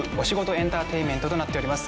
エンターテインメントとなっております。